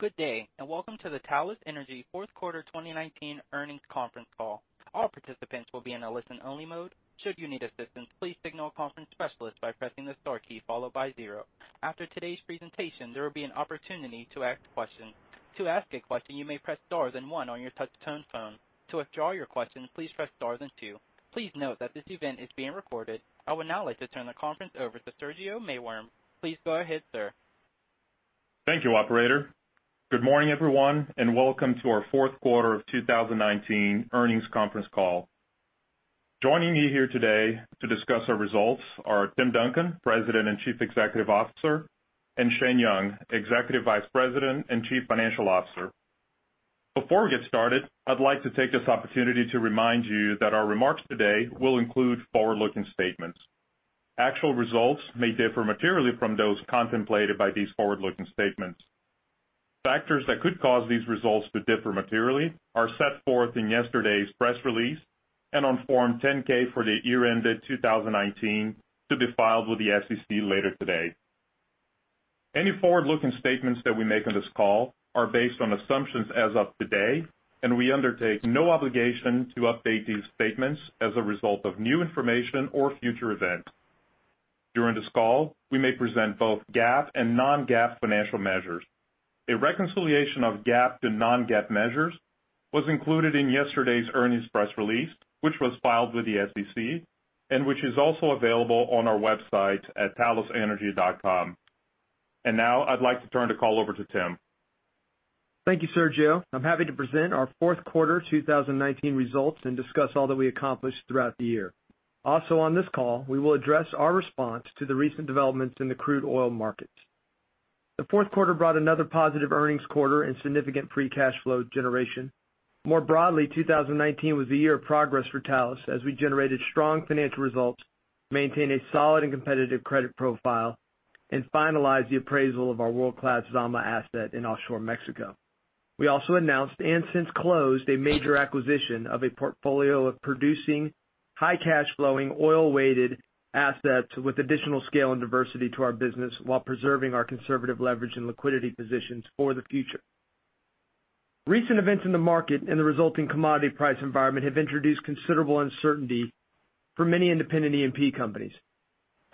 Good day, and welcome to the Talos Energy fourth quarter 2019 earnings conference call. All participants will be in a listen-only mode. Should you need assistance, please signal a conference specialist by pressing the star key followed by zero. After today's presentation, there will be an opportunity to ask questions. To ask a question, you may press star then one on your touch-tone phone. To withdraw your question, please press star then two. Please note that this event is being recorded. I would now like to turn the conference over to Sergio Maiworm. Please go ahead, sir. Thank you, operator. Good morning, everyone, welcome to our fourth quarter of 2019 earnings conference call. Joining me here today to discuss our results are Tim Duncan, President and Chief Executive Officer, and Shane Young, Executive Vice President and Chief Financial Officer. Before we get started, I'd like to take this opportunity to remind you that our remarks today will include forward-looking statements. Actual results may differ materially from those contemplated by these forward-looking statements. Factors that could cause these results to differ materially are set forth in yesterday's press release and on Form 10-K for the year ended 2019, to be filed with the SEC later today. Any forward-looking statements that we make on this call are based on assumptions as of today, and we undertake no obligation to update these statements as a result of new information or future events. During this call, we may present both GAAP and non-GAAP financial measures. A reconciliation of GAAP to non-GAAP measures was included in yesterday's earnings press release, which was filed with the SEC and which is also available on our website at talosenergy.com. Now I'd like to turn the call over to Tim. Thank you, Sergio. I'm happy to present our fourth quarter 2019 results and discuss all that we accomplished throughout the year. Also on this call, we will address our response to the recent developments in the crude oil market. The fourth quarter brought another positive earnings quarter and significant free cash flow generation. More broadly, 2019 was a year of progress for Talos as we generated strong financial results, maintained a solid and competitive credit profile, and finalized the appraisal of our world-class Zama asset in offshore Mexico. We also announced and since closed a major acquisition of a portfolio of producing high cash flowing oil-weighted assets with additional scale and diversity to our business while preserving our conservative leverage and liquidity positions for the future. Recent events in the market and the resulting commodity price environment have introduced considerable uncertainty for many independent E&P companies.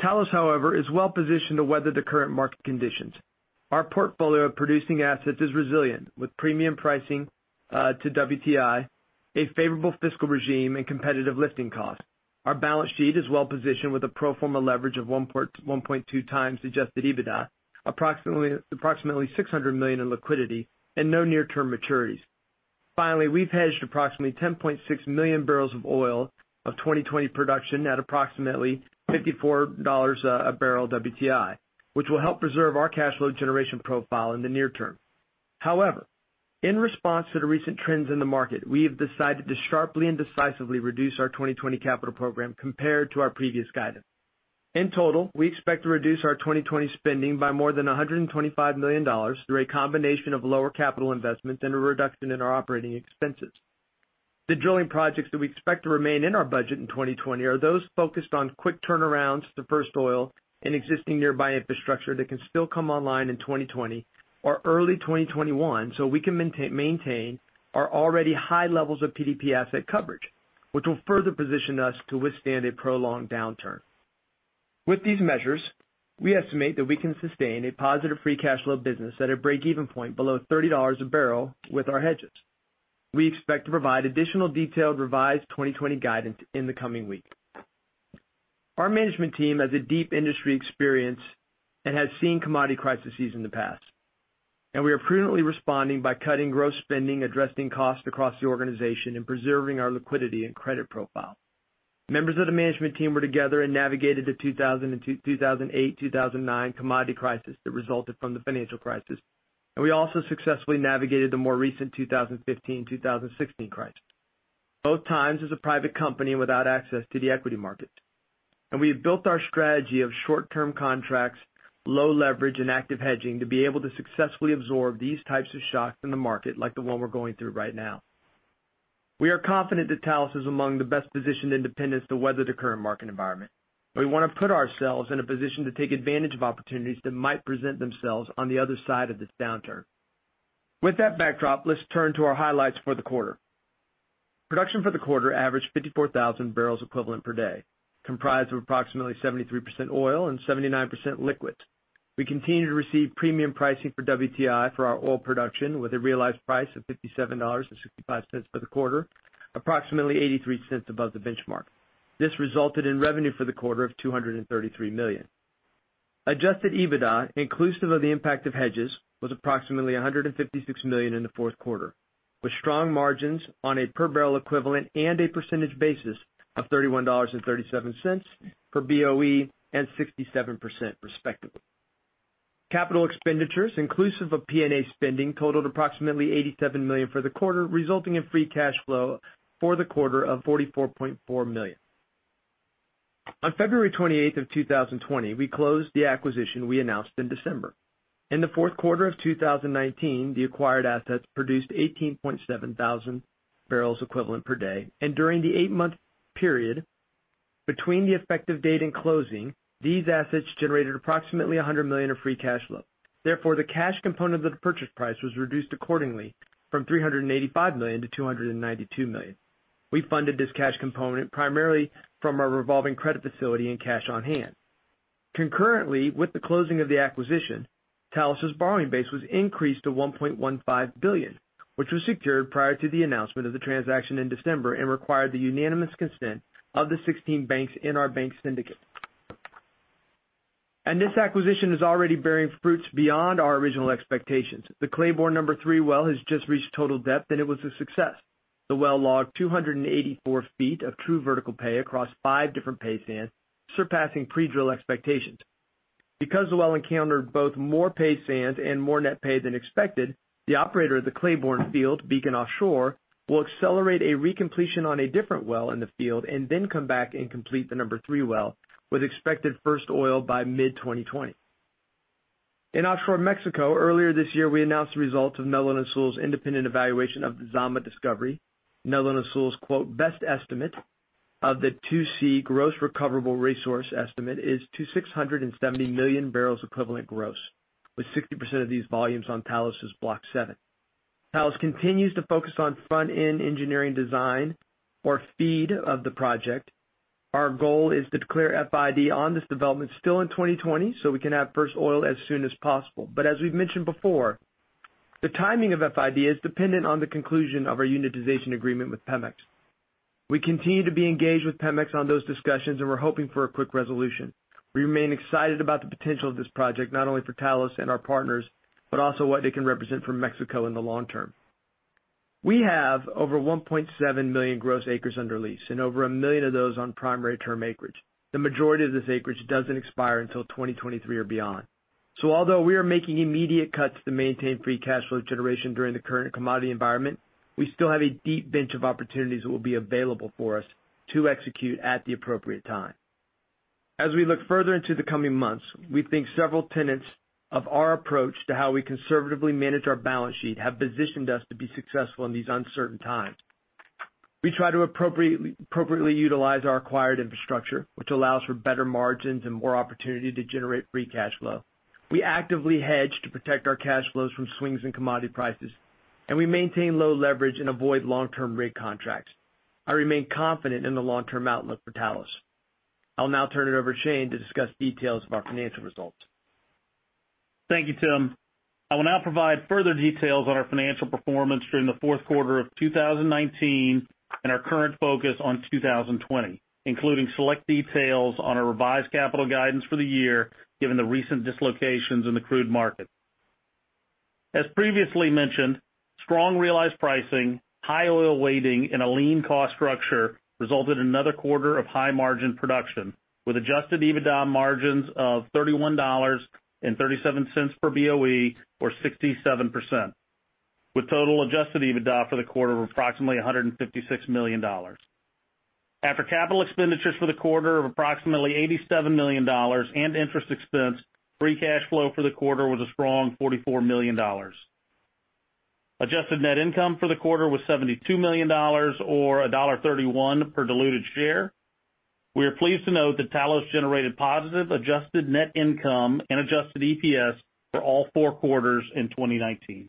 Talos, however, is well-positioned to weather the current market conditions. Our portfolio of producing assets is resilient with premium pricing, to WTI, a favorable fiscal regime, and competitive lifting costs. Our balance sheet is well-positioned with a pro forma leverage of 1.2x adjusted EBITDA, approximately $600 million in liquidity, and no near-term maturities. Finally, we've hedged approximately 10.6 million bbl of oil of 2020 production at approximately $54 a bblWTI, which will help preserve our cash flow generation profile in the near term. In response to the recent trends in the market, we have decided to sharply and decisively reduce our 2020 capital program compared to our previous guidance. In total, we expect to reduce our 2020 spending by more than $125 million through a combination of lower capital investments and a reduction in our operating expenses. The drilling projects that we expect to remain in our budget in 2020 are those focused on quick turnarounds to first oil and existing nearby infrastructure that can still come online in 2020 or early 2021, so we can maintain our already high levels of PDP asset coverage, which will further position us to withstand a prolonged downturn. With these measures, we estimate that we can sustain a positive free cash flow business at a break-even point below $30 a bbl with our hedges. We expect to provide additional detailed revised 2020 guidance in the coming week. Our management team has a deep industry experience and has seen commodity crises in the past, and we are prudently responding by cutting gross spending, addressing costs across the organization, and preserving our liquidity and credit profile. Members of the management team were together and navigated the 2008, 2009 commodity crisis that resulted from the financial crisis, and we also successfully navigated the more recent 2015, 2016 crisis. Both times as a private company without access to the equity market. We have built our strategy of short-term contracts, low leverage, and active hedging to be able to successfully absorb these types of shocks in the market like the one we're going through right now. We are confident that Talos Energy is among the best-positioned independents to weather the current market environment. We want to put ourselves in a position to take advantage of opportunities that might present themselves on the other side of this downturn. With that backdrop, let's turn to our highlights for the quarter. Production for the quarter averaged 54,000 bbl equivalent per day, comprised of approximately 73% oil and 79% liquids. We continue to receive premium pricing for WTI for our oil production with a realized price of $57.65 for the quarter, approximately $0.83 above the benchmark. This resulted in revenue for the quarter of $233 million. Adjusted EBITDA, inclusive of the impact of hedges, was approximately $156 million in the fourth quarter, with strong margins on a per barrel equivalent and a percentage basis of $31.37 per BOE and 67%, respectively. Capital expenditures inclusive of P&A spending totaled approximately $87 million for the quarter, resulting in free cash flow for the quarter of $44.4 million. On February 28th of 2020, we closed the acquisition we announced in December. In the fourth quarter of 2019, the acquired assets produced 18,700 bbl equivalent per day, and during the eight-month period between the effective date and closing, these assets generated approximately $100 million of free cash flow. Therefore, the cash component of the purchase price was reduced accordingly from $385 million-$292 million. We funded this cash component primarily from our revolving credit facility and cash on hand. Concurrently with the closing of the acquisition, Talos' borrowing base was increased to $1.15 billion, which was secured prior to the announcement of the transaction in December and required the unanimous consent of the 16 banks in our bank syndicate. This acquisition is already bearing fruits beyond our original expectations. The Claiborne number three well has just reached total depth, and it was a success. The well logged 284 feet of true vertical pay across five different pay sands, surpassing pre-drill expectations. Because the well encountered both more pay sands and more net pay than expected, the operator of the Claiborne Field, Beacon Offshore, will accelerate a recompletion on a different well in the field and then come back and complete the number three well with expected first oil by mid-2020. In offshore Mexico, earlier this year, we announced the results of Netherland, Sewell's independent evaluation of the Zama discovery. Netherland, Sewell's, quote, best estimate of the 2C gross recoverable resource estimate is to 670 MMbbl equivalent gross, with 60% of these volumes on Talos' Block 7. Talos continues to focus on front-end engineering design or FEED of the project. Our goal is to declare FID on this development still in 2020, so we can have first oil as soon as possible. As we've mentioned before, the timing of FID is dependent on the conclusion of our unitization agreement with Pemex. We continue to be engaged with Pemex on those discussions, and we're hoping for a quick resolution. We remain excited about the potential of this project, not only for Talos and our partners, but also what they can represent for Mexico in the long term. We have over 1.7 million gross acres under lease and over 1 million of those on primary term acreage. The majority of this acreage doesn't expire until 2023 or beyond. Although we are making immediate cuts to maintain free cash flow generation during the current commodity environment, we still have a deep bench of opportunities that will be available for us to execute at the appropriate time. As we look further into the coming months, we think several tenets of our approach to how we conservatively manage our balance sheet have positioned us to be successful in these uncertain times. We try to appropriately utilize our acquired infrastructure, which allows for better margins and more opportunity to generate free cash flow. We actively hedge to protect our cash flows from swings in commodity prices, and we maintain low leverage and avoid long-term rig contracts. I remain confident in the long-term outlook for Talos. I'll now turn it over to Shane to discuss details of our financial results. Thank you, Tim. I will now provide further details on our financial performance during the fourth quarter of 2019 and our current focus on 2020, including select details on our revised capital guidance for the year, given the recent dislocations in the crude market. As previously mentioned, strong realized pricing, high oil weighting, and a lean cost structure resulted in another quarter of high-margin production with Adjusted EBITDA margins of $31.37 per BOE or 67%, with total Adjusted EBITDA for the quarter of approximately $156 million. After capital expenditures for the quarter of approximately $87 million and interest expense, free cash flow for the quarter was a strong $44 million. Adjusted net income for the quarter was $72 million, or $1.31 per diluted share. We are pleased to note that Talos generated positive adjusted net income and adjusted EPS for all four quarters in 2019.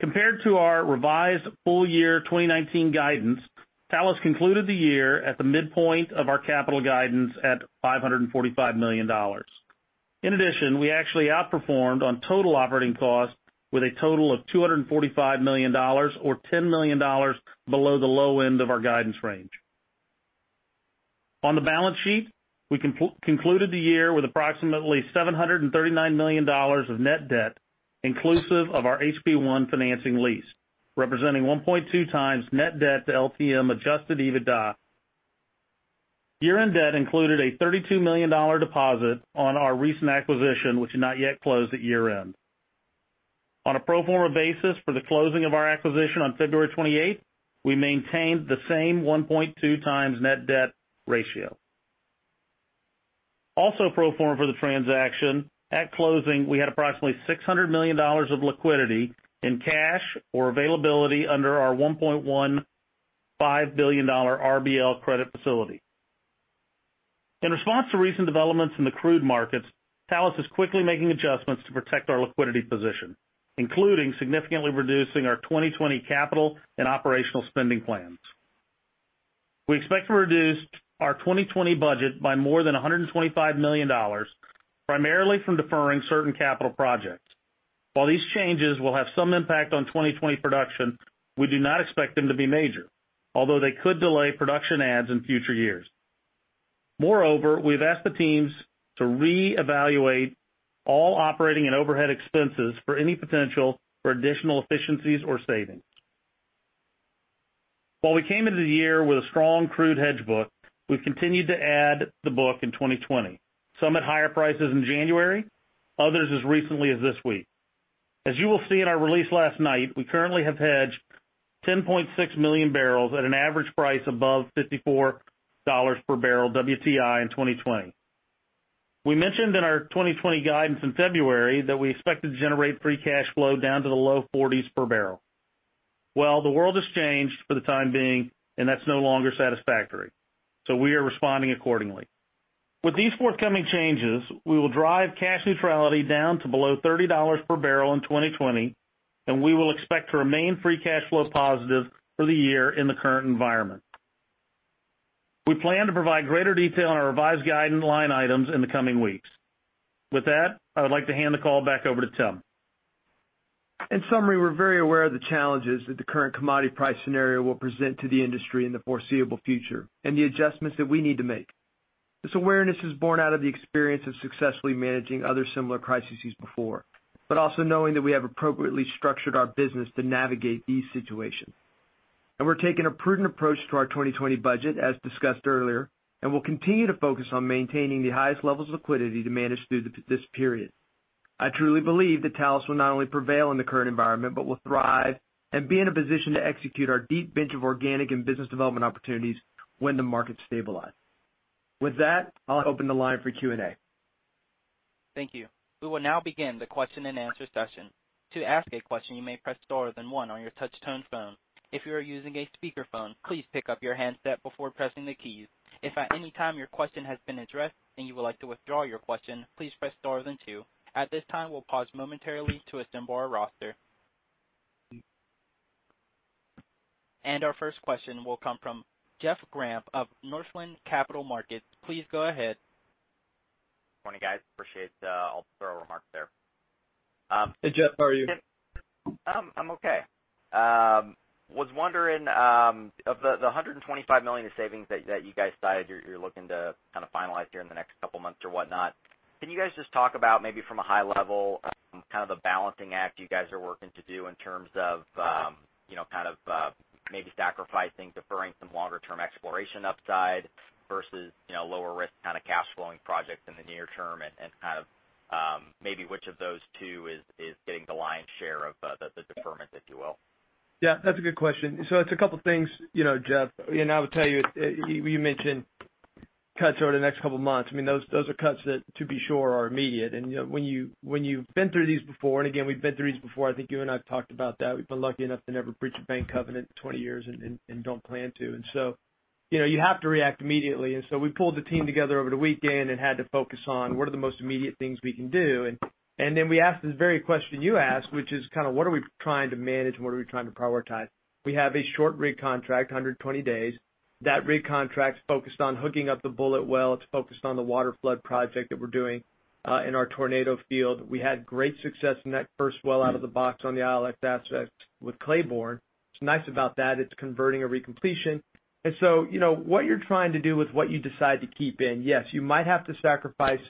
Compared to our revised full year 2019 guidance, Talos concluded the year at the midpoint of our capital guidance at $545 million. In addition, we actually outperformed on total operating costs with a total of $245 million or $10 million below the low end of our guidance range. On the balance sheet, we concluded the year with approximately $739 million of net debt, inclusive of our HP-I financing lease, representing 1.2x net debt to LTM Adjusted EBITDA. Year-end debt included a $32 million deposit on our recent acquisition, which had not yet closed at year-end. On a pro forma basis for the closing of our acquisition on February 28th, we maintained the same 1.2x net debt ratio. Also pro forma for the transaction, at closing, we had approximately $600 million of liquidity in cash or availability under our $1.15 billion RBL credit facility. In response to recent developments in the crude markets, Talos is quickly making adjustments to protect our liquidity position, including significantly reducing our 2020 capital and operational spending plans. We expect to reduce our 2020 budget by more than $125 million, primarily from deferring certain capital projects. While these changes will have some impact on 2020 production, we do not expect them to be major, although they could delay production adds in future years. Moreover, we've asked the teams to reevaluate all operating and overhead expenses for any potential for additional efficiencies or savings. While we came into the year with a strong crude hedge book, we've continued to add the book in 2020, some at higher prices in January, others as recently as this week. As you will see in our release last night, we currently have hedged 10.6 MMbbl at an average price above $54 per bbl WTI in 2020. We mentioned in our 2020 guidance in February that we expect to generate free cash flow down to the low $40s per barrel. The world has changed for the time being, and that's no longer satisfactory. We are responding accordingly. With these forthcoming changes, we will drive cash neutrality down to below $30 per bbl in 2020, and we will expect to remain free cash flow positive for the year in the current environment. We plan to provide greater detail on our revised guidance line items in the coming weeks. I would like to hand the call back over to Tim. In summary, we're very aware of the challenges that the current commodity price scenario will present to the industry in the foreseeable future and the adjustments that we need to make. This awareness is born out of the experience of successfully managing other similar crises before, but also knowing that we have appropriately structured our business to navigate these situations. We're taking a prudent approach to our 2020 budget, as discussed earlier, and will continue to focus on maintaining the highest levels of liquidity to manage through this period. I truly believe that Talos will not only prevail in the current environment, but will thrive and be in a position to execute our deep bench of organic and business development opportunities when the market stabilizes. With that, I'll open the line for Q&A. Thank you. We will now begin the question-and-answer session. To ask a question, you may press star then one on your touch-tone phone. If you are using a speakerphone, please pick up your handset before pressing the keys. If at any time your question has been addressed, and you would like to withdraw your question, please press star then two. At this time, we'll pause momentarily to assemble our roster. Our first question will come from Jeff Grampp of Northland Capital Markets. Please go ahead. Morning, guys. Appreciate the thorough remarks there. Hey, Jeff. How are you? I'm okay. Was wondering, of the $125 million of savings that you guys cited you're looking to kind of finalize here in the next couple of months or whatnot, can you guys just talk about maybe from a high level, kind of the balancing act you guys are working to do in terms of maybe sacrificing, deferring some longer-term exploration upside versus lower risk kind of cash flowing projects in the near term and kind of maybe which of those two is getting the lion's share of the deferment, if you will? Yeah, that's a good question. It's a couple things, Jeff. I would tell you mentioned cuts over the next couple of months. I mean, those are cuts that, to be sure, are immediate. When you've been through these before, and again, we've been through these before, I think you and I have talked about that. We've been lucky enough to never breach a bank covenant in 20 years and don't plan to. You have to react immediately. We pulled the team together over the weekend and had to focus on what are the most immediate things we can do. Then we asked this very question you asked, which is kind of what are we trying to manage and what are we trying to prioritize? We have a short rig contract, 120 days. That rig contract's focused on hooking up the Bullet Well. It's focused on the waterflood project that we're doing in our Tornado field. We had great success in that first well out of the box on the ILX with Claiborne. What's nice about that. It's converting a recompletion. What you're trying to do with what you decide to keep in, yes, you might have to sacrifice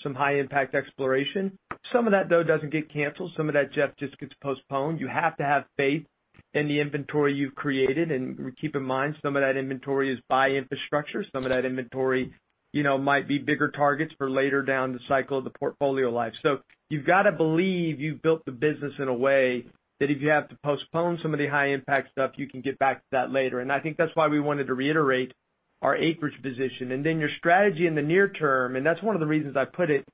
some high impact exploration. Some of that, though, doesn't get canceled. Some of that, Jeff, just gets postponed. You have to have faith in the inventory you've created. Keep in mind, some of that inventory is by infrastructure. Some of that inventory might be bigger targets for later down the cycle of the portfolio life. You've got to believe you've built the business in a way that if you have to postpone some of the high-impact stuff, you can get back to that later. I think that's why we wanted to reiterate our acreage position. Your strategy in the near term, that's one of the reasons I put it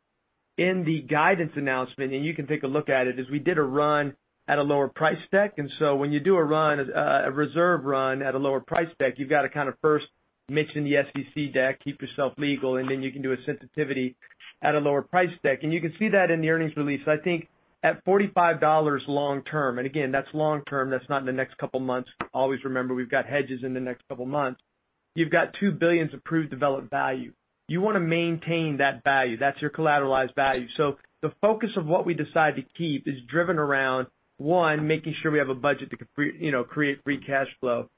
in the guidance announcement, and you can take a look at it, is we did a run at a lower price deck. When you do a reserve run at a lower price deck, you've got to kind of first mention the SEC deck, keep yourself legal, and then you can do a sensitivity at a lower price deck. You can see that in the earnings release. I think at $45 long-term, and again, that's long-term, that's not in the next couple of months. Always remember, we've got hedges in the next couple of months. You've got $2 billion approved developed value. You want to maintain that value. That's your collateralized value. The focus of what we decide to keep is driven around, one, making sure we have a budget that can create free cash flow.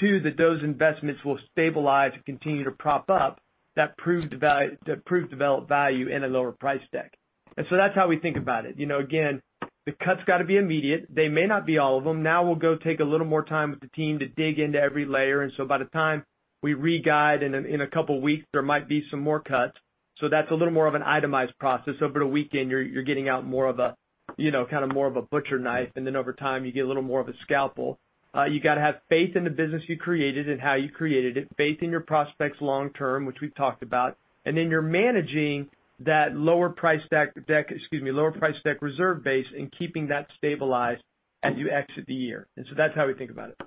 Two, that those investments will stabilize and continue to prop up that proved developed value in a lower price deck. That's how we think about it. Again, the cuts got to be immediate. They may not be all of them. We'll go take a little more time with the team to dig into every layer. By the time we re-guide in a couple of weeks, there might be some more cuts. That's a little more of an itemized process. Over the weekend, you're getting out kind of more a butcher knife, and then over time, you get a little more of a scalpel. You got to have faith in the business you created and how you created it, faith in your prospects long-term, which we've talked about, then you're managing that lower price deck reserve base and keeping that stabilized as you exit the year. That's how we think about it.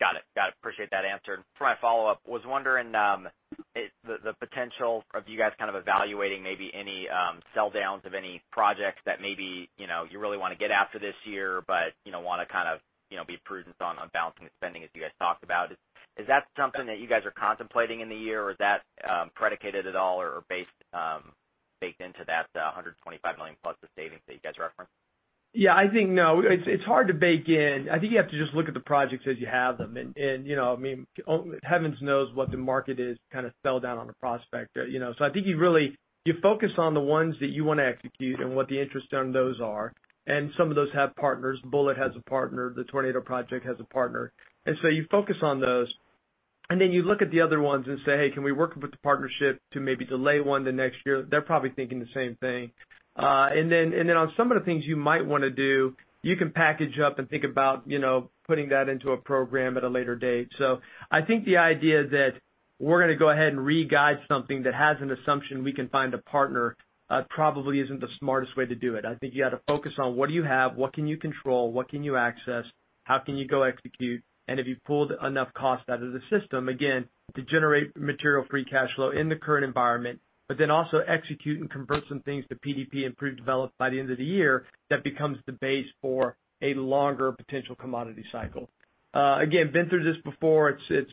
Got it. Appreciate that answer. For my follow-up, was wondering the potential of you guys kind of evaluating maybe any sell downs of any projects that maybe you really want to get after this year, but want to kind of be prudent on balancing and spending as you guys talked about. Is that something that you guys are contemplating in the year, or is that predicated at all or baked into that $125 million plus of savings that you guys referenced? I think no. It's hard to bake in. I think you have to just look at the projects as you have them. Heaven knows what the market is kind of sell down on a prospect. I think you focus on the ones that you want to execute and what the interest on those are. Some of those have partners. Bullet has a partner. The Tornado project has a partner. You focus on those, and then you look at the other ones and say, "Hey, can we work with the partnership to maybe delay one to next year?" They're probably thinking the same thing. On some of the things you might want to do, you can package up and think about putting that into a program at a later date. I think the idea that we're going to go ahead and re-guide something that has an assumption we can find a partner, probably isn't the smartest way to do it. I think you got to focus on what do you have, what can you control, what can you access, how can you go execute? Have you pulled enough cost out of the system, again, to generate material free cash flow in the current environment, but then also execute and convert some things to PDP, improved developed, by the end of the year, that becomes the base for a longer potential commodity cycle. Again, been through this before. We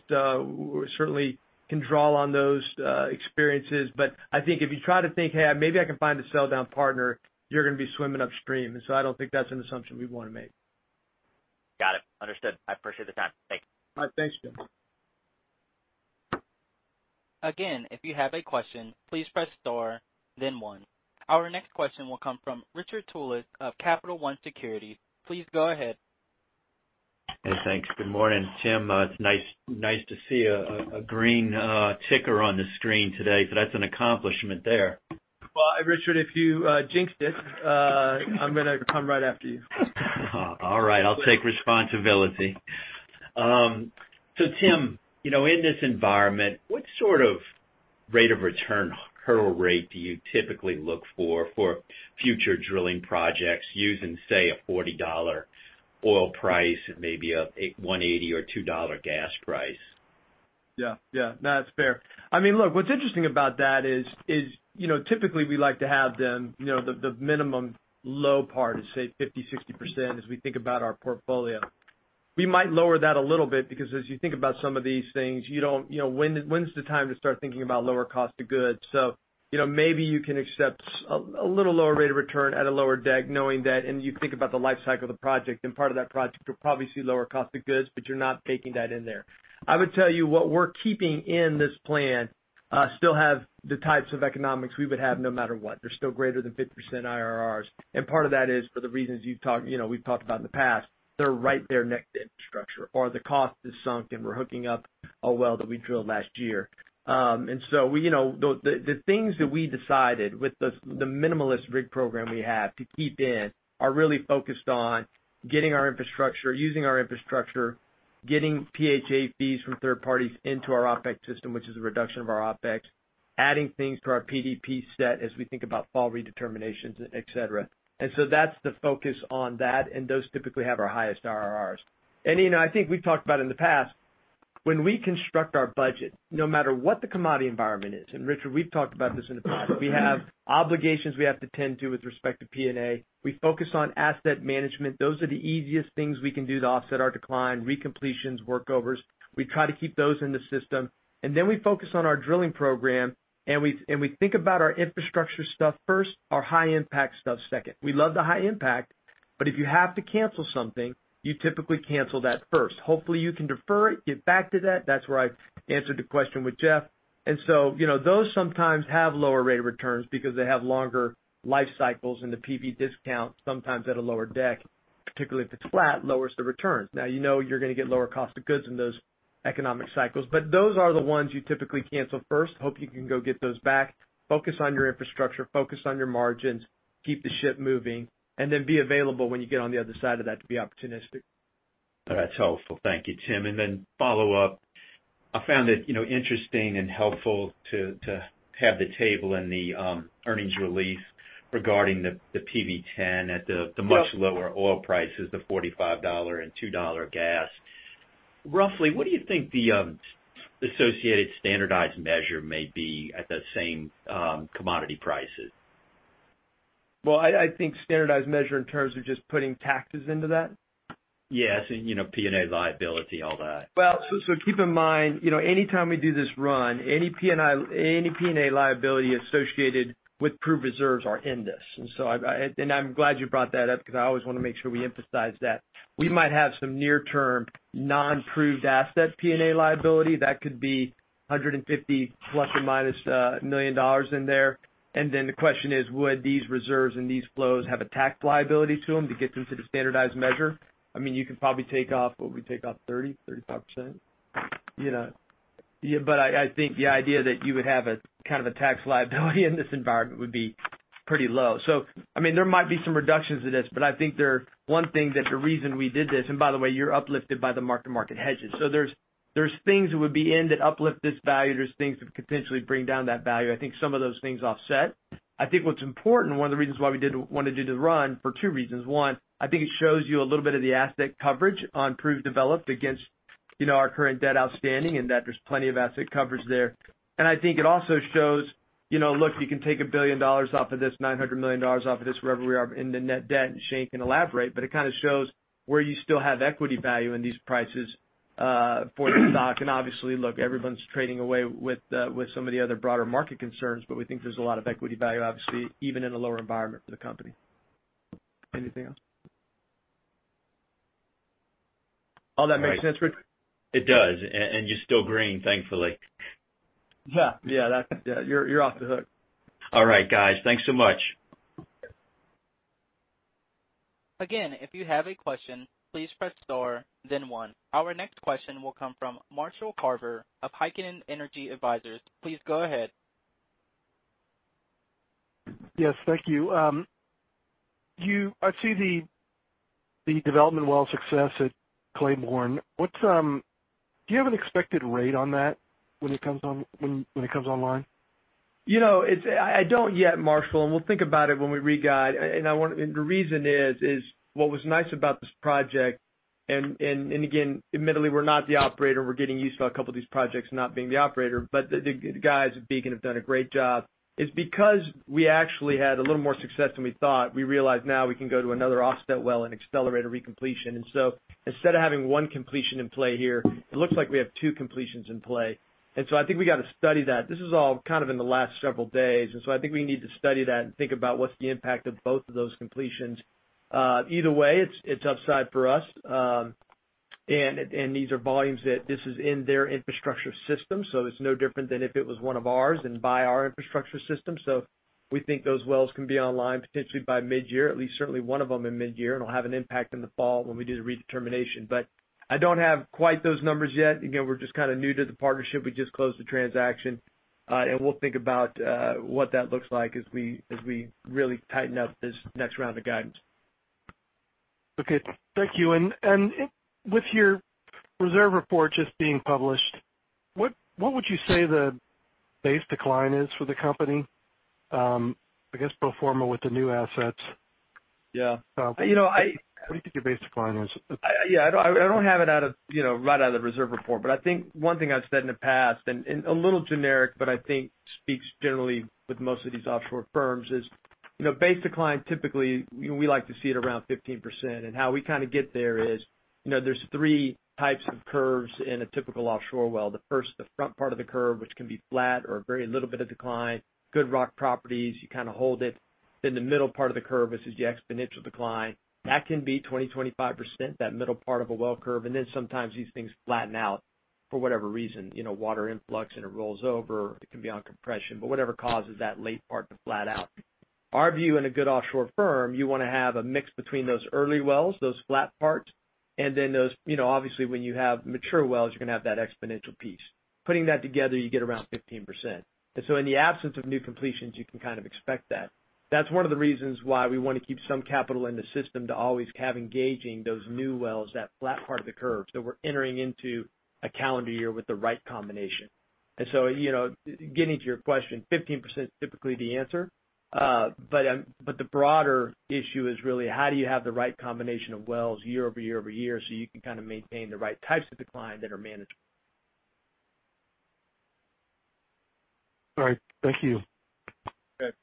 certainly can draw on those experiences. I think if you try to think, Hey, maybe I can find a sell-down partner, you're going to be swimming upstream. I don't think that's an assumption we'd want to make. Got it. Understood. I appreciate the time. Thank you. All right. Thanks, Jeff. Again, if you have a question, please press star then one. Our next question will come from Richard Tullis of Capital One Securities. Please go ahead. Hey, thanks. Good morning, Tim. It's nice to see a green ticker on the screen today, so that's an accomplishment there. Well, Richard, if you jinxed it, I'm going to come right after you. All right, I'll take responsibility. Tim, in this environment, what sort of rate of return hurdle rate do you typically look for future drilling projects using, say, a $40 oil price, maybe a $1.80 or $2 gas price? No, that's fair. Look, what's interesting about that is, typically, we like to have them, the minimum low part is, say, 50%, 60% as we think about our portfolio. We might lower that a little bit because as you think about some of these things, when's the time to start thinking about lower cost of goods? Maybe you can accept a little lower rate of return at a lower deck knowing that, and you think about the life cycle of the project, and part of that project will probably see lower cost of goods, but you're not baking that in there. I would tell you what we're keeping in this plan still have the types of economics we would have no matter what. They're still greater than 50% IRRs, and part of that is for the reasons we've talked about in the past. They're right there next to infrastructure, or the cost is sunk, and we're hooking up a well that we drilled last year. The things that we decided with the minimalist rig program we have to keep in are really focused on getting our infrastructure, using our infrastructure, getting PHA fees from third parties into our OPEX system, which is a reduction of our OPEX, adding things to our PDP set as we think about fall redeterminations, et cetera. That's the focus on that, and those typically have our highest IRRs. I think we've talked about in the past, when we construct our budget, no matter what the commodity environment is, and Richard, we've talked about this in the past. We have obligations we have to tend to with respect to P&A. We focus on asset management. Those are the easiest things we can do to offset our decline, recompletions, workovers. We try to keep those in the system. We focus on our drilling program, and we think about our infrastructure stuff first, our high-impact stuff second. We love the high impact, but if you have to cancel something, you typically cancel that first. Hopefully, you can defer it, get back to that. That's where I answered the question with Jeff. Those sometimes have lower rate of returns because they have longer life cycles, and the PV discount, sometimes at a lower deck, particularly if it's flat, lowers the returns. Now, you know you're going to get lower cost of goods in those economic cycles. Those are the ones you typically cancel first, hope you can go get those back, focus on your infrastructure, focus on your margins, keep the ship moving, and then be available when you get on the other side of that to be opportunistic. That's helpful. Thank you, Tim. Then follow up. I found it interesting and helpful to have the table in the earnings release regarding the PV-10 at the much lower oil prices, the $45 and $2 gas. Roughly, what do you think the associated standardized measure may be at the same commodity prices? Well, I think standardized measure in terms of just putting taxes into that? Yes, P&A liability, all that. Keep in mind, anytime we do this run, any P&A liability associated with proved reserves are in this. I'm glad you brought that up because I always want to make sure we emphasize that. We might have some near-term non-proved asset P&A liability. That could be $150 plus or minus $1 million in there. The question is, would these reserves and these flows have a tax liability to them to get them to the standardized measure? You could probably take off, what we take off 30%, 35%? I think the idea that you would have a kind of a tax liability in this environment would be pretty low. There might be some reductions to this, but I think there are one thing that the reason we did this, and by the way, you're uplifted by the market hedges. There's things that would be in that uplift this value. There's things that could potentially bring down that value. I think some of those things offset. I think what's important, one of the reasons why we wanted to do the run for two reasons. One, I think it shows you a little bit of the asset coverage on proved developed against our current debt outstanding, and that there's plenty of asset coverage there. I think it also shows, look, you can take $1 billion off of this, $900 million off of this, wherever we are in the net debt, and Shane Young can elaborate, but it kind of shows where you still have equity value in these prices for the stock. Obviously, look, everyone's trading away with some of the other broader market concerns, but we think there's a lot of equity value, obviously, even in a lower environment for the company. Anything else? All that makes sense, Richard? It does. You're still green, thankfully. Yeah. You're off the hook. All right, guys. Thanks so much. Again, if you have a question, please press star then one. Our next question will come from Marshall Carver of Heikkinen Energy Advisors. Please go ahead. Yes. Thank you. I see the development well success at Claiborne. Do you have an expected rate on that when it comes online? I don't yet, Marshall, and we'll think about it when we re-guide. The reason is what was nice about this project, and again, admittedly, we're not the operator, we're getting used to a couple of these projects and not being the operator, but the guys at Beacon Offshore Energy have done a great job, is because we actually had a little more success than we thought. We realized now we can go to another offset well and accelerate a recompletion. Instead of having one completion in play here, it looks like we have two completions in play. I think we got to study that. This is all kind of in the last several days, and so I think we need to study that and think about what's the impact of both of those completions. Either way, it's upside for us. These are volumes that this is in their infrastructure system, so it's no different than if it was one of ours and by our infrastructure system. We think those wells can be online potentially by mid-year, at least certainly one of them in mid-year, and it'll have an impact in the fall when we do the redetermination. I don't have quite those numbers yet. Again, we're just kind of new to the partnership. We just closed the transaction. We'll think about what that looks like as we really tighten up this next round of guidance. Okay. Thank you. With your reserve report just being published, what would you say the base decline is for the company? I guess pro forma with the new assets. Yeah. What do you think your base decline is? I don't have it right out of the reserve report. I think one thing I've said in the past, and a little generic, but I think speaks generally with most of these offshore firms, is base decline, typically, we like to see it around 15%. How we get there is, there's three types of curves in a typical offshore well. The first, the front part of the curve, which can be flat or a very little bit of decline, good rock properties, you kind of hold it. Then the middle part of the curve, which is the exponential decline. That can be 20%, 25%, that middle part of a well curve. Then sometimes these things flatten out for whatever reason, water influx and it rolls over. It can be on compression. Whatever causes that late part to flat out. Our view in a good offshore firm, you want to have a mix between those early wells, those flat parts, and then those, obviously, when you have mature wells, you're going to have that exponential piece. Putting that together, you get around 15%. In the absence of new completions, you can kind of expect that. That's one of the reasons why we want to keep some capital in the system to always have engaging those new wells, that flat part of the curve, so we're entering into a calendar year with the right combination. Getting to your question, 15% is typically the answer. The broader issue is really how do you have the right combination of wells year over year over year so you can kind of maintain the right types of decline that are manageable. All right. Thank you. Okay.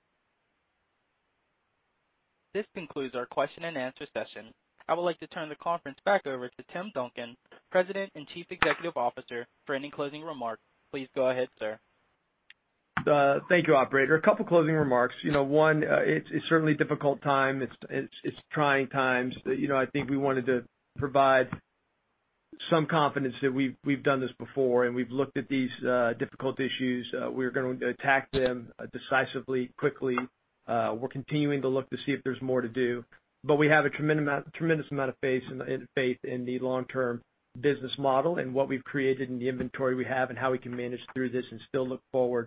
This concludes our question and answer session. I would like to turn the conference back over to Tim Duncan, President and Chief Executive Officer, for any closing remarks. Please go ahead, sir. Thank you, operator. A couple closing remarks. One, it's certainly a difficult time. It's trying times. I think we wanted to provide some confidence that we've done this before, and we've looked at these difficult issues. We're going to attack them decisively, quickly. We're continuing to look to see if there's more to do. But we have a tremendous amount of faith in the long-term business model and what we've created and the inventory we have and how we can manage through this and still look forward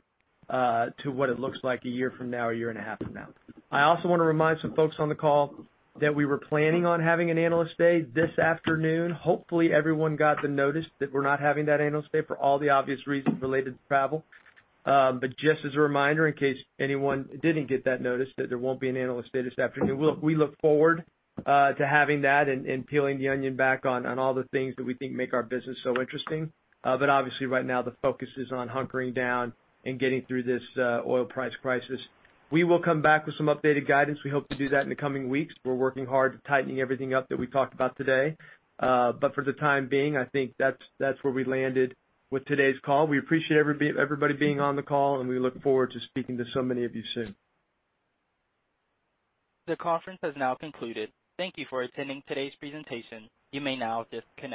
to what it looks like a year from now, a year and a half from now. I also want to remind some folks on the call that we were planning on having an Analyst Day this afternoon. Hopefully, everyone got the notice that we're not having that Analyst Day for all the obvious reasons related to travel. Just as a reminder, in case anyone didn't get that notice, that there won't be an Analyst Day this afternoon. We look forward to having that and peeling the onion back on all the things that we think make our business so interesting. Obviously right now, the focus is on hunkering down and getting through this oil price crisis. We will come back with some updated guidance. We hope to do that in the coming weeks. We're working hard tightening everything up that we talked about today. For the time being, I think that's where we landed with today's call. We appreciate everybody being on the call, and we look forward to speaking to so many of you soon. The conference has now concluded. Thank you for attending today's presentation. You may now disconnect.